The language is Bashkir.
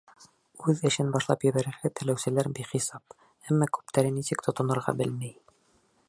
Үҙ эшен башлап ебәрергә теләүселәр бихисап, әммә күптәре нисек тотонорға белмәй.